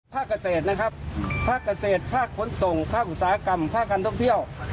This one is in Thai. ภาคเกษตรนะครับภาคเกษตรภาคขนส่งภาคอุตสาหกรรมภาคการท่องเที่ยว